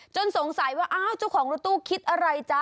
จนสงสัยว่าเจ้าของรถตู้คิดอะไรจ้ะ